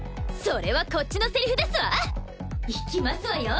それはこっちのセリフですわ。